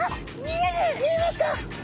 見えますか？